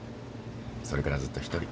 それからずっと一人。